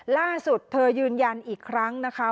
ล่าสุดเธอยืนยันอีกครั้งนะคะ